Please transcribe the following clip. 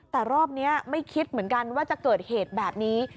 แต่รอบนี้ไม่คิดเหมือนกันว่าจะเกิดเหตุแบบนี้